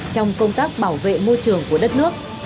trong công tác bảo vệ môi trường của đất nước